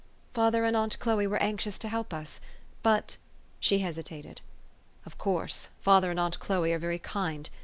" "Father and aunt Chloe were anxious to help us. But " she hesitated. " Of course. Father and aunt Chloe are very kind.